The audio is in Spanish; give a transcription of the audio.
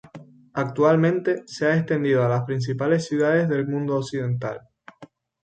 Actualmente, se ha extendido a las principales ciudades del mundo occidental.